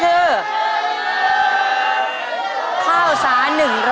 เพราะฉะนั้นเรามาดู๒ตู้ที่เหลือนะครับ